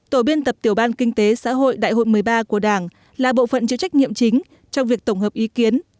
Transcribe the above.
tổ biên tập tiểu ban kinh tế xã hội đại hội một mươi ba của đảng là bộ phận chịu trách nhiệm chính trong việc tổng hợp ý kiến